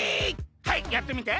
はいやってみて。